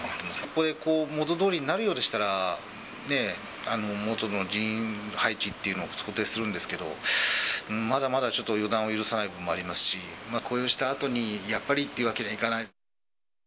ここで元どおりになるようでしたらね、元の人員配置っていうのを想定するんですけど、まだまだちょっと予断を許さない部分もありますし、雇用したあとに、やっぱりっていうわけにはいかない。